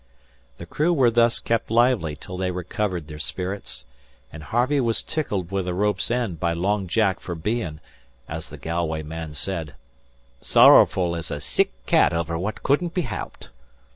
The crew were thus kept lively till they recovered their spirits; and Harvey was tickled with a rope's end by Long Jack for being, as the Galway man said, "sorrowful as a sick cat over fwhat couldn't be helped."